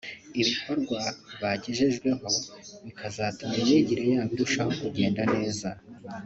ibikorwa bagejejweho bikazatuma imyigire yabo irushaho kugenda neza